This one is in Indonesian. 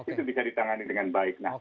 itu bisa ditangani dengan baik